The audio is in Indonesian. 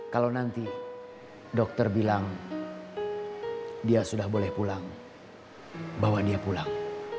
kalau nanti dokter bilang dia sudah boleh pulang bawa dia pulang